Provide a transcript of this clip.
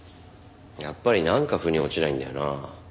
やっぱりなんか腑に落ちないんだよな。